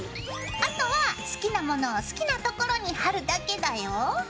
あとは好きな物を好きなところに貼るだけだよ。